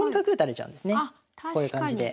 こういう感じで。